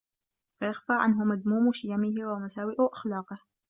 فَيَخْفَى عَنْهُ مَذْمُومُ شِيَمِهِ وَمَسَاوِئُ أَخْلَاقِهِ